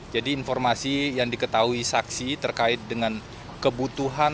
jadi informasi yang diketahui saksi terkait dengan kebutuhan